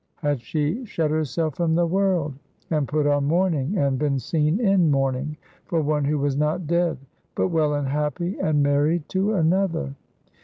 had she shut herself from the world, and put on mourning and been seen in mourning for one who was not dead, but well and happy and married to another!